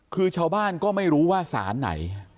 คือชาวบ้านก็ไม่รู้ว่าสารไหน